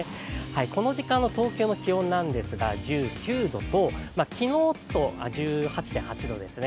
この時間の東京の気温なんですが１８．８度ですね。